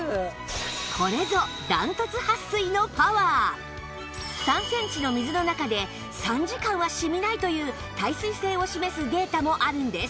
これぞ３センチの水の中で３時間は染みないという耐水性を示すデータもあるんです